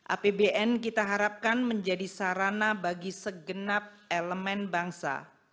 apbn kita harapkan menjadi sarana bagi segenap elemen bangsa